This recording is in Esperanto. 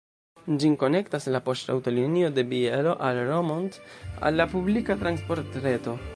Ĝin konektas la poŝtaŭtolinio de Bielo al Romont al la publika transportreto.